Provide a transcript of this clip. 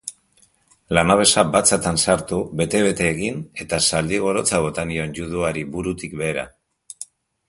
Lanabesa batzatan sartu, bete-bete egin eta zaldi-gorotza bota nion juduari burutik behera.